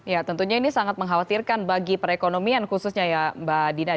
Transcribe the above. ya tentunya ini sangat mengkhawatirkan bagi perekonomian khususnya ya mbak dina